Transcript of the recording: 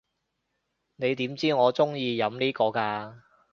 你點知我中意飲呢個㗎？